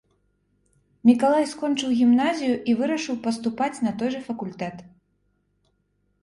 Мікалай скончыў гімназію і вырашыў паступаць на той жа факультэт.